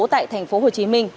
tại thành phố hồ chí minh